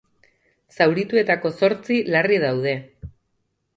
Zaurituetako zortzi larri daude.